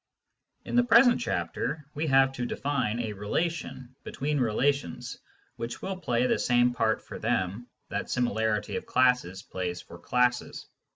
In the present chapter we have to define a relation between relations, which will play the same part for them that similarity of classes plays for classes.